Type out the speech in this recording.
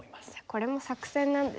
これも作戦なんですね。